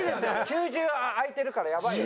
９１０空いてるからやばいよ。